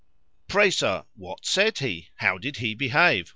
Pray, Sir, what said he?—How did he behave?